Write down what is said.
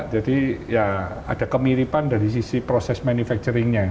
jadi ya ada kemiripan dari sisi proses manufacturing